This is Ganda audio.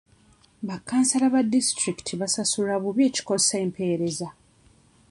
Ba kansala ba disitulikiti basasulwa bubi ekikosa empeereza.